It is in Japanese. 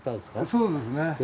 そうですね。